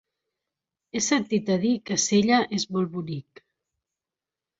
He sentit a dir que Sella és molt bonic.